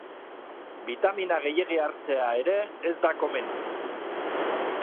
Bitamina gehiegi hartzea ere ez da komeni.